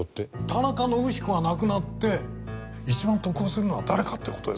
田中伸彦が亡くなって一番得をするのは誰かって事ですよ。